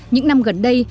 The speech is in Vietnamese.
những năm gần đây